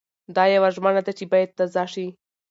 دا يوه ژمنه ده چې بايد تازه شي.